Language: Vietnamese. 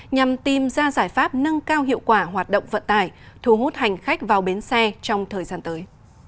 nhằm tìm ra giải pháp nâng cao hiệu quả hoạt động vận tải thu hút hành khách vào bến xe trong thời gian tới